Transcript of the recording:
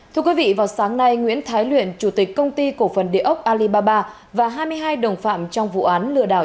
thưa quý vị vào sáng nay nguyễn thái luyện chủ tịch công ty cổ phần địa ốc alibaba và hai mươi hai đồng phạm trong vụ án lừa đảo